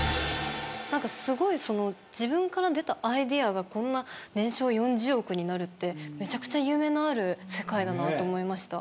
なんかすごい自分から出たアイデアがこんな年商４０億になるってめちゃくちゃ夢のある世界だなと思いました。